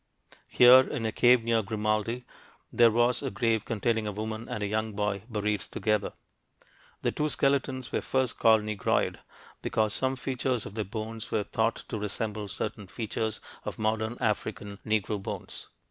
Here, in a cave near Grimaldi, there was a grave containing a woman and a young boy, buried together. The two skeletons were first called "Negroid" because some features of their bones were thought to resemble certain features of modern African Negro bones.